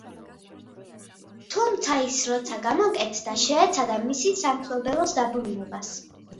თუმცა, როცა ის გამოკეთდა შეეცადა მისი სამფლობელოს დაბრუნებას.